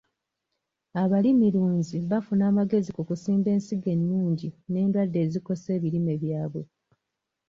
Abalimilunzi bafuna amagezi ku kusimba ensigo ennungi n'endwadde ezikosa ebirime byabwe.